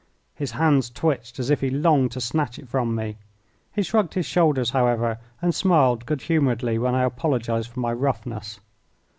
His hands twitched as if he longed to snatch it from me. He shrugged his shoulders, however, and smiled good humouredly when I apologised for my roughness.